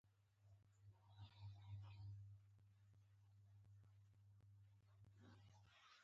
ستار توره خولۍ واغوسته او روان شو